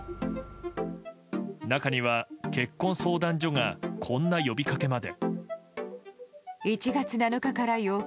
中には、結婚相談所がこんな呼びかけまで。